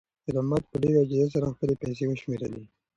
خیر محمد په ډېرې عاجزۍ سره خپلې پیسې وشمېرلې.